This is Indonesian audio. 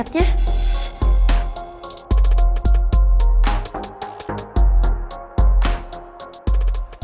cintanya ada di chatnya